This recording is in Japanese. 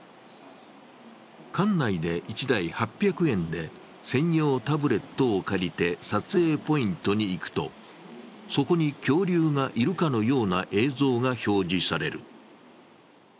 館内で１台８００円で専用タブレットを借りて設営ポイントに行くと、そこに恐竜がいるかのような映像が表示される。